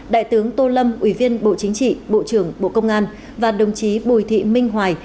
đại tướng tô lâm ủy viên bộ chính trị bộ trưởng bộ công an và đồng chí bùi thị minh hoài